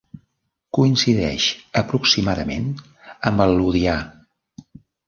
Coincideix aproximadament amb el Ludià.